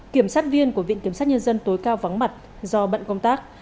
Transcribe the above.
kiểm sát viên của viện kiểm sát nhân dân tối cao vắng mặt do bận công tác